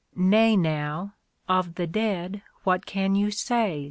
'* Nay now, of the dead what can you say.